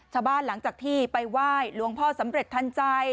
หลังจากที่ไปไหว้หลวงพ่อสำเร็จทันใจ